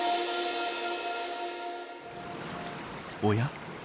おや？